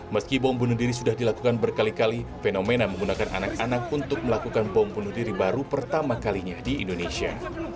meski bom bunuh diri sudah dilakukan berkali kali fenomena menggunakan anak anak untuk melakukan bom bunuh diri baru pertama kalinya di indonesia